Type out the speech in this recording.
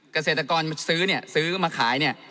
เกษตรกรซื้อเนี่ยซื้อมาขายเนี่ย